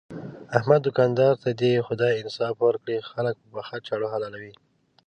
احمد دوکاندار ته دې خدای انصاف ورکړي، خلک په پڅه چاړه حلالوي.